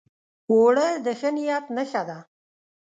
اوړه د ښه نیت نښه ده